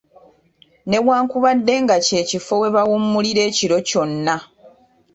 Newankubadde nga kye kifo we bawummulira ekiro kyonna.